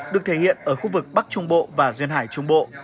được thể hiện ở khu vực bắc trung bộ và duyên hải trung bộ